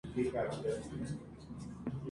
Esto continuó hasta su exilio.